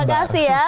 baik terima kasih ya